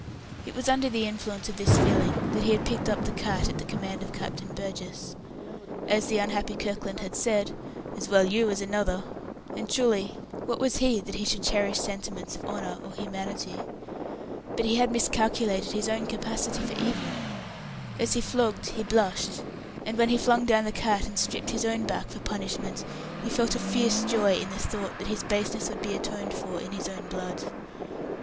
It was under the influence of this feeling that he had picked up the cat at the command of Captain Burgess. As the unhappy Kirkland had said, "As well you as another"; and truly, what was he that he should cherish sentiments of honour or humanity? But he had miscalculated his own capacity for evil. As he flogged, he blushed; and when he flung down the cat and stripped his own back for punishment, he felt a fierce joy in the thought that his baseness would be atoned for in his own blood.